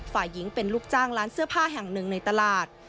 ฝ่ายหญิงเป็นลูกจ้างร้านเสื้อผ้าแห่งหนึ่งในตลาด